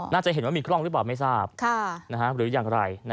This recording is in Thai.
น่าจะเห็นว่ามีกล้องหรือเปล่าไม่ทราบหรืออย่างไร